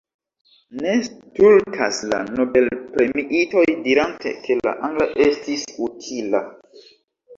Ne stultas la nobelpremiitoj dirante ke la angla estas utila.